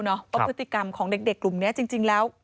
เพราะพฤติกรรมของเด็กกลุ่มนี้จริงแล้ว